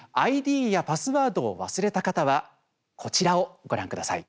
ＩＤやパスワードを忘れた方はこちらをご覧ください。